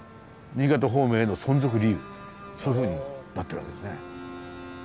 そういうふうになってるわけですね。